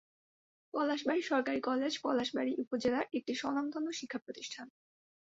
পলাশবাড়ী সরকারি কলেজ পলাশবাড়ী উপজেলার একটি স্বনামধন্য শিক্ষা প্রতিষ্ঠান।